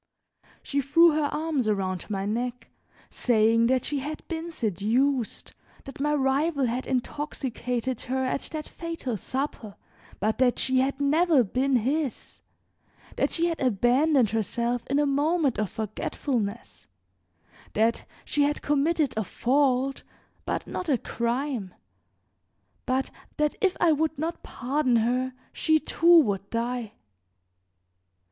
She threw her arms around my neck, saying that she had been seduced, that my rival had intoxicated her at that fatal supper, but that she had never been his; that she had abandoned herself in a moment of forgetfulness; that she had committed a fault but not a crime; but that if I would not pardon her, she, too, would die.